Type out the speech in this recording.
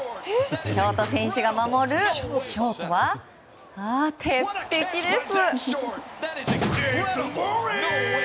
ショート選手が守るショートは鉄壁です！